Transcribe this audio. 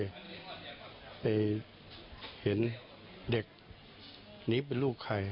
ไปเห็นเด็กนี้เป็นลูกใคร